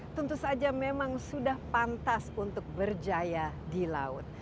tentu saja memang sudah pantas untuk berjaya di laut